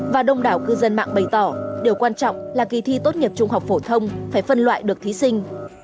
và đông đảo cư dân mạng bày tỏ điều quan trọng là kỳ thi tốt nghiệp trung học phổ thông phải phân loại được thí sinh